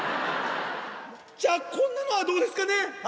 じゃ、こんなのはどうですかね。